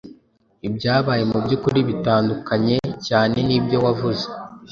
Ibyabaye mubyukuri bitandukae cyane nibyo wavuze.